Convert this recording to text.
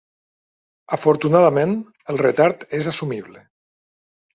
Afortunadament, el retard és assumible.